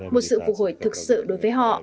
một sự phục hồi thực sự đối với họ